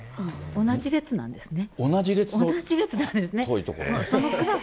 同じ列なんですね。